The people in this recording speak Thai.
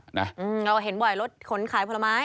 เราเห็นบ่อยรถขนขายผลไม้